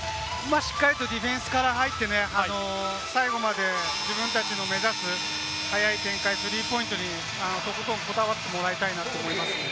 しっかりディフェンスから入ってね、最後まで自分たちの目指す早い展開、スリーポイントにとことんこだわってもらいたいと思います。